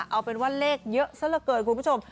เอาเป็นว่าเลขเยอะซะละเกินคุณผู้ชม